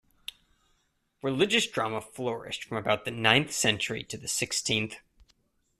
Religious drama flourished from about the ninth century to the sixteenth.